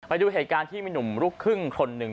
ไปดูเหตุการณ์ที่มีหนุ่มลูกครึ่งคนหนึ่ง